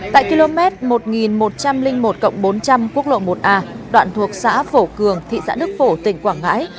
tại km một nghìn một trăm linh một bốn trăm linh quốc lộ một a đoạn thuộc xã phổ cường thị xã đức phổ tỉnh quảng ngãi